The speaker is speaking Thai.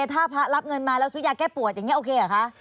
ถ้าพระรับเงินมาแล้วซื้อยาแก้ปวดอย่างนี้โอเคเหรอคะ